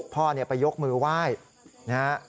พ่ออยุ่งไปยกมือไหว้